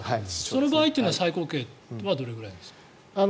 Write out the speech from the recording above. その場合というのは最高刑はどれくらいですか？